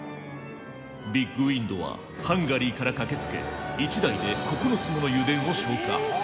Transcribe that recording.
ビッグウインドはハンガリーから駆けつけ１台で９つもの油田を消火。